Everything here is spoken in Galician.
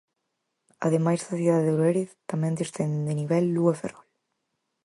Ademais da cidade do Lérez, tamén descenden de nivel Lugo e Ferrol.